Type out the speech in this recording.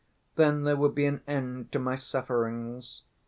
Then there would be an end to my sufferings.